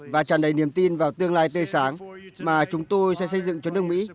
và tràn đầy niềm tin vào tương lai tươi sáng mà chúng tôi sẽ xây dựng cho nước mỹ